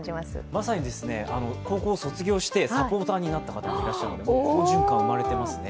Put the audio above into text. まさに高校を卒業してサポーターになった方もいらっしゃるので好循環が生まれていますね。